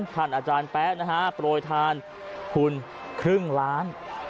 ท่านอาจารย์แป๊ะโปรดทานคุณครึ่งล้าน